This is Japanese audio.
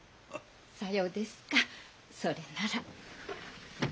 さようですかそれなら。